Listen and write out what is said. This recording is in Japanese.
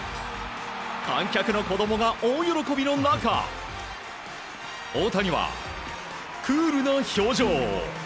観客の子供が大喜びの中大谷はクールな表情。